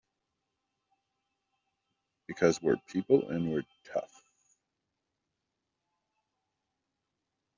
Because we're the people and we're tough!